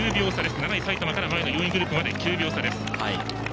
７位、埼玉から前の４位グループまで９秒差。